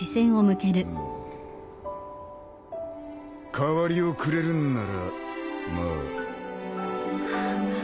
代わりをくれるんならまあ